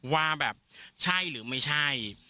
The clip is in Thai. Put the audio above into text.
ว่าแบบใช่หรือไม่ใช่